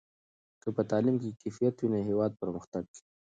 که په تعلیم کې کیفیت وي نو هېواد پرمختګ کوي.